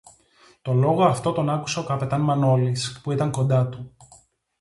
Το λόγο αυτό τον άκουσε ο καπετάν-Μανόλης που ήταν κοντά του